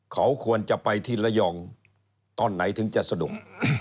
เขาควรจะไปที่ระยองตอนไหนถึงจะสะดวก